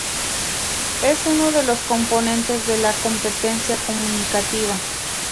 Es uno de los componentes de la "competencia comunicativa".